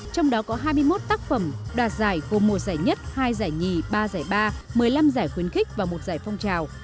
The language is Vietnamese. trong đó có hai mươi một tác phẩm đoạt giải gồm một giải nhất hai giải nhì ba giải ba một mươi năm giải khuyến khích và một giải phong trào